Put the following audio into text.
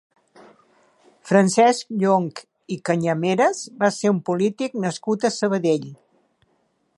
Francesc Llonch i Cañameras va ser un polític nascut a Sabadell.